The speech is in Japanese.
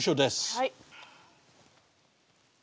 はい。